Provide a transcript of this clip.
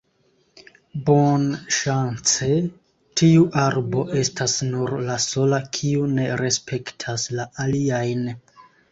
Bonŝance, tiu arbo estas nur la sola kiu ne respektas la aliajn.